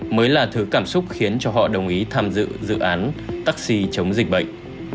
mới là thứ cảm xúc khiến cho họ đồng ý tham dự dự án taxi chống dịch bệnh